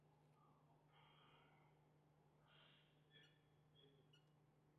Some of his views and commentaries have sparked controversy.